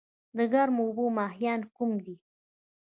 د ګرمو اوبو ماهیان کوم دي؟